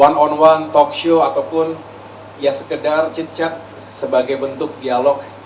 one on one talk show ataupun ya sekedar jejak sebagai bentuk dialog